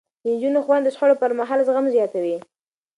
د نجونو ښوونه د شخړو پرمهال زغم زياتوي.